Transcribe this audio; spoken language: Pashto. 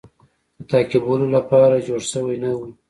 د تعقیبولو لپاره جوړ شوی نه وو.